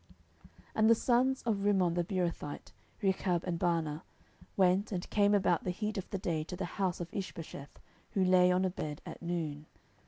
10:004:005 And the sons of Rimmon the Beerothite, Rechab and Baanah, went, and came about the heat of the day to the house of Ishbosheth, who lay on a bed at noon.